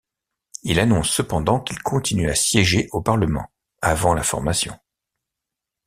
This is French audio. Il annonce cependant qu'il continue à siéger au parlement avant la formation.